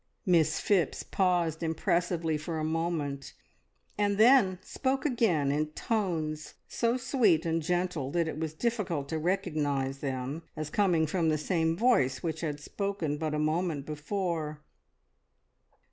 Miss Phipps paused impressively for a moment, and then spoke again in tones so sweet and gentle that it was difficult to recognise them as coming from the same voice which had spoken but a moment before.